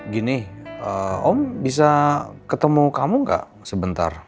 gini om bisa ketemu kamu gak sebentar